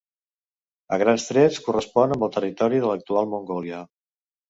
A grans trets correspon amb el territori de l'actual Mongòlia.